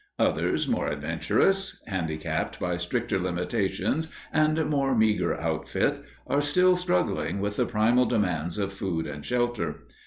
Others, more adventurous, handicapped by stricter limitations and more meagre outfit, are still struggling with the primal demands of food and shelter.